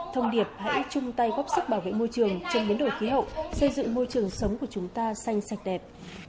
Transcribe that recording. thông điệp hãy chung tay góp sức bảo vệ môi trường trong biến đổi khí hậu xây dựng môi trường sống của chúng ta xanh sạch đẹp